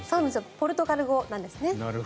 ポルトガル語なんですね。